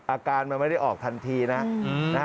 อาการมันไม่ได้ออกทันทีนะ